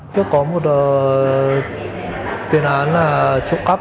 trước có một tiền án là chụp cắp